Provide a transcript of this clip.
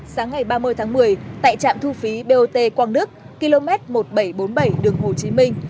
sáng ngày ba mươi tháng một mươi tại trạm thu phí bot quang đức km một nghìn bảy trăm bốn mươi bảy đường hồ chí minh